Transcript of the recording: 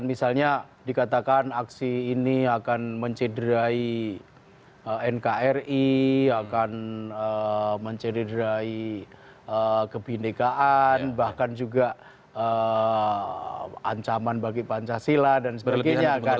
misalnya dikatakan aksi ini akan mencederai nkri akan mencederai kebinekaan bahkan juga ancaman bagi pancasila dan sebagainya